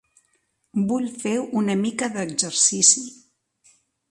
Vull fer una mica d"exercici.